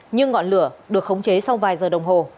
nhưng ngọn lửa được khống chế sau vài giờ đồng hồ